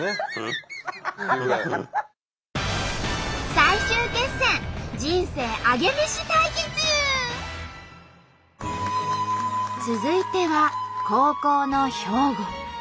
最終決戦続いては後攻の兵庫。